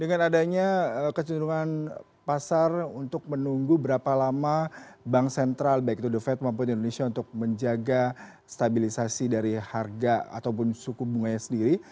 dengan adanya kecenderungan pasar untuk menunggu berapa lama bank sentral baik itu the fed maupun indonesia untuk menjaga stabilisasi dari harga ataupun suku bunganya sendiri